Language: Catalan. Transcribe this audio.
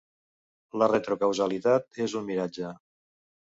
La retrocausalitat és un miratge.